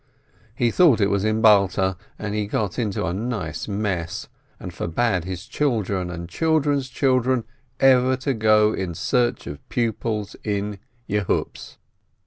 He thought it was in Balta, and he got into a nice mess, and forbade his children and children's children ever to go in search of pupils in Yehupetz.